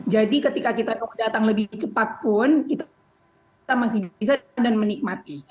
jadi ketika kita mau datang lebih cepat pun kita masih bisa dan menikmati